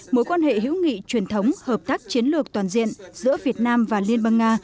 mối quan hệ hữu nghị truyền thống hợp tác chiến lược toàn diện giữa việt nam và liên bang nga